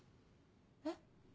えっ？